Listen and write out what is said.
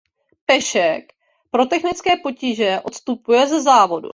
Pešek pro technické potíže odstupuje ze závodu.